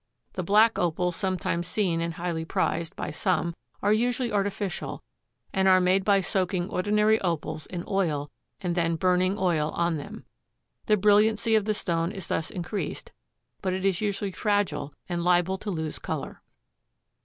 The black Opals sometimes seen and highly prized by some are usually artificial, and are made by soaking ordinary Opals in oil and then burning oil on them. The brilliancy of the stone is thus increased, but it is usually fragile and liable to lose color.